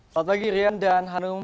selamat pagi rian dan hanum